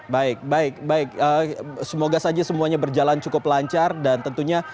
baik baik baik semoga saja semuanya berjalan cukup lancar dan tentunya